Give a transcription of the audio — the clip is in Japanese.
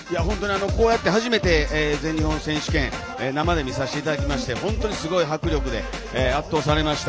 こうして初めて全日本選手権生で見させていただきまして本当にすごい迫力で圧倒されました。